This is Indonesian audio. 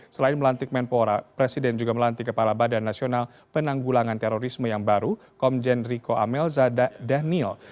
selain melantik menpora presiden juga melantik kepala badan nasional penanggulangan terorisme yang baru komjen riko amel daniel